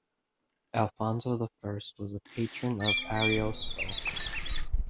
Alfonso the First was a patron of Ariosto.